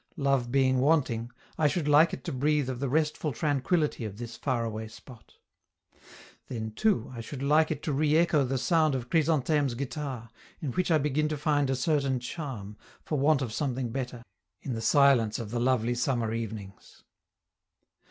Love being wanting, I should like it to breathe of the restful tranquillity of this faraway spot. Then, too, I should like it to reecho the sound of Chrysantheme's guitar, in which I begin to find a certain charm, for want of something better, in the silence of the lovely summer evenings.